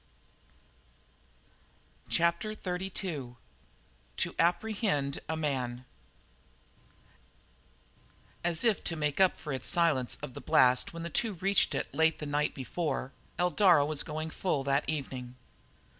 CHAPTER XXXII TO "APPREHEND" A MAN As if to make up for its silence of the blast when the two reached it late the night before, Eldara was going full that evening.